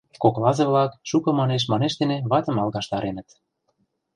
Коклазе-влак шуко «манеш-манеш» дене ватым алгаштареныт.